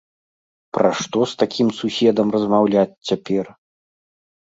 Пра што з такім суседам размаўляць цяпер?